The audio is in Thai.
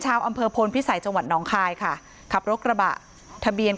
ชาวอำเภอพลพิสัยจังหวัดน้องคายค่ะขับรถกระบะทะเบียน